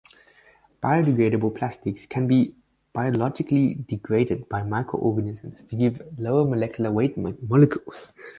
Biodegradable plastics can be biologically degraded by microorganisms to give lower molecular weight molecules.